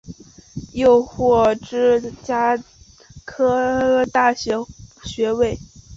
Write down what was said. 又获芝加哥大学硕士学位。